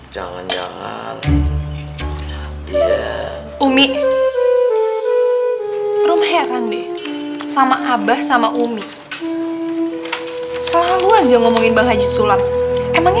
jangan jangan umi rum heran deh sama abah sama umi selalu aja ngomongin bang haji sulap emangnya